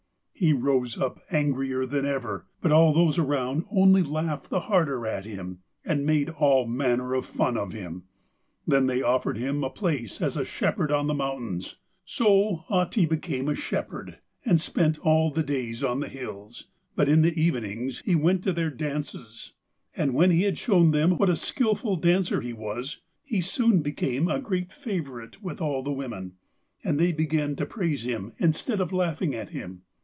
He rose up angrier than ever, but all those around only laughed the harder at him, and made all manner of fun of him. Then they offered him a place as a shepherd on the mountains. So Ahti became a shepherd, and spent all the days on the hills, but in the evenings he went to their dances, and when he had shown them what a skilful dancer he was, he soon became a great favourite with all the women, and they began to praise him instead of laughing at him.